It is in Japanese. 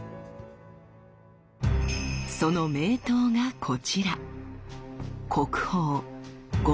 その名刀がこちら。